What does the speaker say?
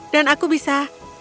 dan aku bisa